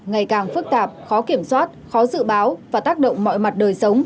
ngày càng phức tạp khó kiểm soát khó dự báo và tác động mọi mặt đời sống